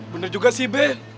bener juga sih be